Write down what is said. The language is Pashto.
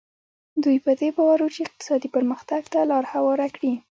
دوی په دې باور وو چې اقتصادي پرمختګ ته لار هواره کړي.